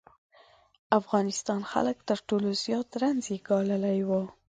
افغانستان خلک تر ټولو زیات رنځ یې ګاللی و.